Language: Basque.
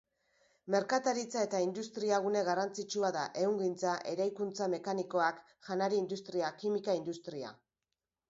Merkataritza eta industriagune garrantzitsua da: ehungintza, eraikuntza mekanikoak, janari-industria, kimika-industria.